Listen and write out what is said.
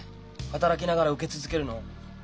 働きながら受け続けるの。